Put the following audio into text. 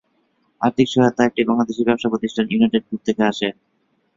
আর্থিক সহায়তা একটি বাংলাদেশী ব্যবসা প্রতিষ্ঠান ইউনাইটেড গ্রুপ থেকে আসে।